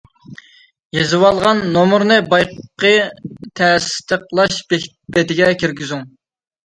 يېزىۋالغان نومۇرنى بايىقى تەستىقلاش بېتىگە كىرگۈزۈڭ.